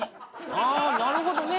ああなるほどね。